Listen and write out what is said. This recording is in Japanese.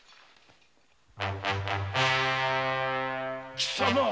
貴様